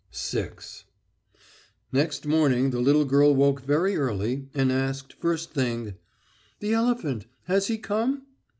VI Next morning the little girl woke very early, and asked, first thing: "The elephant? Has he come?"